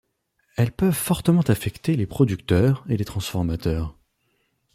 Elles peuvent fortement affecter les producteurs et les transformateurs.